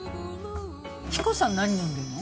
ヒコさん何飲んでるの？